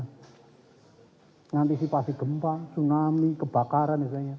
mengantisipasi gempa tsunami kebakaran misalnya